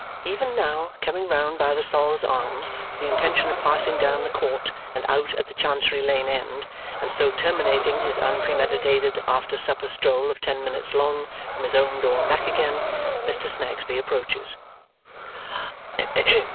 Even now, coming round by the Sol's Arms with the intention of passing down the court, and out at the Chancery Lane end, and so terminating his unpremeditated after supper stroll of ten minutes' long from his own door and back again, Mr. Snagsby approaches.